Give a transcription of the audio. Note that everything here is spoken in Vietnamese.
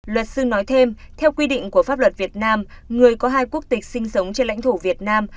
luật sư nói thêm theo quy định của pháp luật việt nam người có hai quốc tịch sinh sống trên lãnh thổ việt nam